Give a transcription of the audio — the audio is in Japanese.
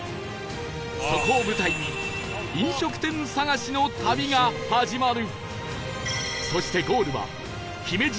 そこを舞台に飲食店探しの旅が始まる